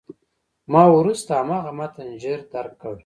ما وروسته هماغه متن ژر درک کړ.